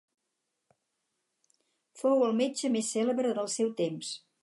Fou el metge més cèlebre del seu temps.